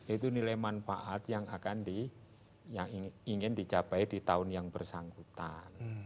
itu nilai manfaat yang akan di yang ingin dicapai di tahun yang bersangkutan